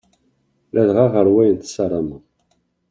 Ladɣa ɣer wayen tessarameḍ.